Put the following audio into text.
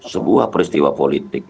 sebuah peristiwa politik